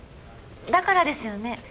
だからですよね？